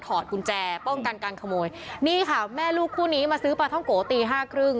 กุญแจป้องกันการขโมยนี่ค่ะแม่ลูกคู่นี้มาซื้อปลาท้องโกตีห้าครึ่ง